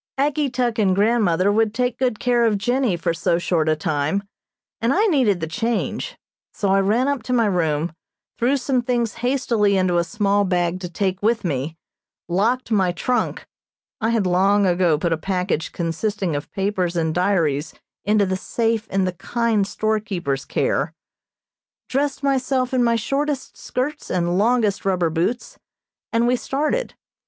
Ageetuk and grandmother would take good care of Jennie for so short a time, and I needed the change, so I ran up to my room, threw some things hastily into a small bag to take with me, locked my trunk, (I had long ago put a package consisting of papers and diaries into the safe in the kind storekeeper's care), dressed myself in my shortest skirts and longest rubber boots, and we started.